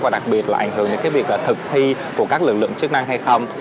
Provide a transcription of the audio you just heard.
và đặc biệt là ảnh hưởng đến việc thực thi của các lực lượng chức năng hay không